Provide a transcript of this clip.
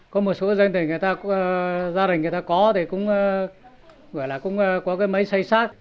có một số gia đình có máy xay sát